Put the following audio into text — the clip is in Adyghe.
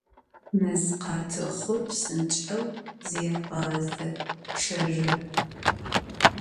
Mezkhatıxhur psınç'eu zêğaze, ççerı.